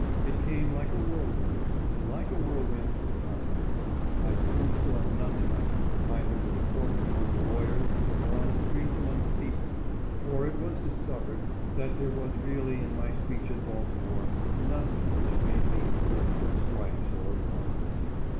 It came like a whirlwind, and like a whirl wind departed. I soon saw nothing of it, either in the courts among the lawyers, or on the streets among the people ; for it was discovered that there was really in my 520 OFFICE OF MARSHAL A PLEASANT ONE. speech at Baltimore nothing which made me " worthy of stripes or of bonds."